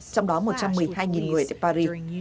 trong đó một trăm một mươi hai người tại paris